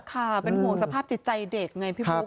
ค่ะเป็นห่วงสภาพจิตใจเด็กไงพี่บุ๊